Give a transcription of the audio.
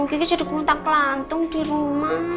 gigi jadi gulung tangklantung di rumah